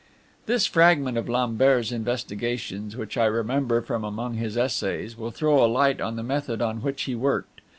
This fragment of Lambert's investigations, which I remember from among his essays, will throw a light on the method on which he worked.